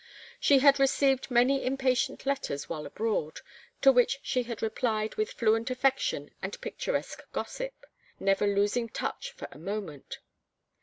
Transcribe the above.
She had received many impatient letters while abroad, to which she had replied with fluent affection and picturesque gossip, never losing touch for a moment.